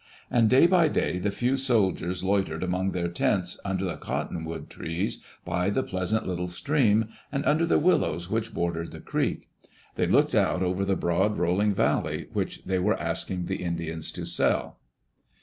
And day by day the few soldiers loitered among their tents under the Cottonwood trees, by the pleasant little stream, and under the willows which bordered the creek. They looked out over the broad, rolling valley which they were asking the Indians to sell.